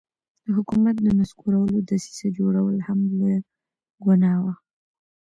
د حکومت د نسکورولو دسیسه جوړول هم لویه ګناه وه.